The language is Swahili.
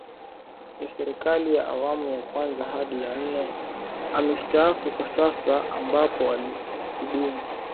ya serikali ya awamu ya kwanza hadi ya nne amestaafu kwa sasa ambapo alihudumu